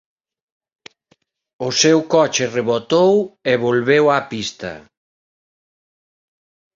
O seu coche rebotou e volveu á pista.